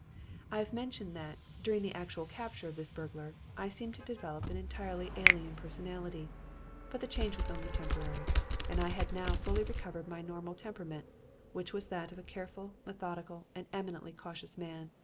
"I have mentioned that, during the actual capture of this burglar, I seemed to develop an entirely alien personality. But the change was only temporary, and I had now fully recovered my normal temperament, which is that of a careful, methodical and eminently cautious man.